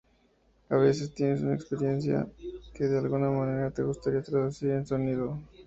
A veces, tienes una experiencia que de alguna manera te gustaría traducir en sonido.